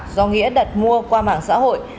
do nghĩa đặt mua qua mạng xã hội